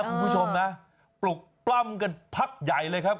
คุณผู้ชมนะปลุกปล้ำกันพักใหญ่เลยครับ